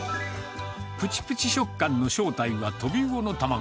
ぷちぷち食感の正体はトビウオの卵。